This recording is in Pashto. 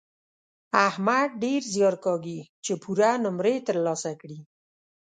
احمد ډېر زیار کاږي چې پوره نومرې تر لاسه کړي.